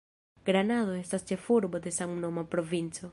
Granado estas ĉefurbo de samnoma provinco.